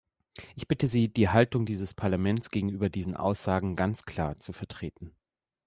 Ich bitte Sie, die Haltung dieses Parlaments gegenüber diesen Aussagen ganz klar zu vertreten.